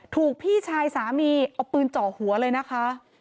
ถูกพี่ชายสามีเอาปืนเจาะหัวเลยนะคะ